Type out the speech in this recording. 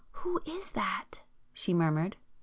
"Who is that?" she murmured.